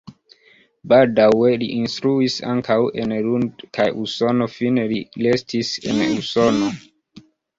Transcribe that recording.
Baldaŭe li instruis ankaŭ en Lund kaj Usono, fine li restis en Usono.